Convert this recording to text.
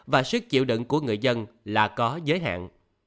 và sức chịu đựng của người dân là có giới hạn